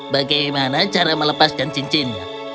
bagaimana cara melepaskan cincinnya